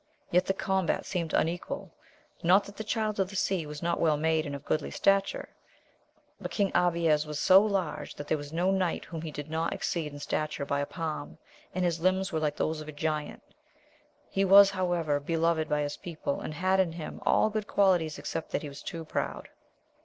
Yet the combat seemed unequal, not that the Child of the Sea was not well made and of goodly stature, but King Abies was so large that there was no knight whom he did not exceed in stature by a palm, and his limbs were like those of a giant; he was, however, beloved by his people, and had in him all good qualities except that he was too proud.